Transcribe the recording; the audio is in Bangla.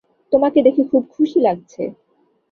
তোমাকে দেখে খুব খুশি লাগছে।